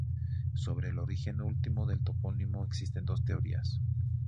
Sobre el origen último del topónimo existen dos teorías.